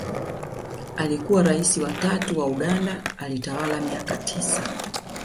Alikua raisi wa tatu wa Uganda alitawala miaka tisa